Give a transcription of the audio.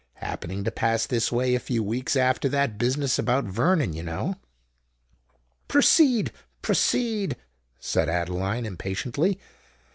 Happening to pass this way a few weeks after that business about Vernon, you know——" "Proceed—proceed!" said Adeline, impatiently.